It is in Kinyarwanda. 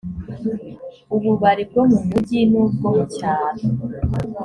ububari bwo mumujyi n ubwo mu cyaro